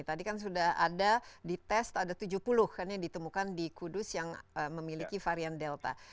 tadi kan sudah ada di tes ada tujuh puluh kan yang ditemukan di kudus yang memiliki varian delta